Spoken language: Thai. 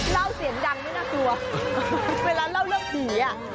เล่าเสียงดังไม่น่ากลัวเวลาเล่าเรื่องผีอ่ะ